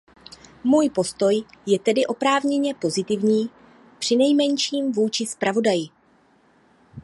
Můj postoj je tedy oprávněně pozitivní, přinejmenším vůči zpravodaji.